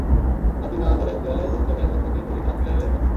হাতিনা ঘরের দেয়ালে ঝুলছে ম্যাচ বাক্স দিয়ে তৈরি দাঁত খিলালের বাক্স।